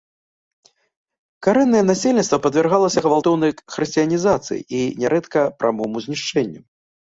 Карэннае насельніцтва падвяргалася гвалтоўнай хрысціянізацыі і нярэдка прамому знішчэнню.